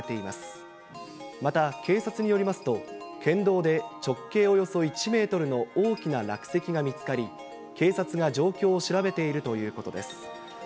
また、警察によりますと、県道で直径およそ１メートルの大きな落石が見つかり、警察が状況を調べているということです。